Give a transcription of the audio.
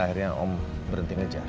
akhirnya om berhenti ngejar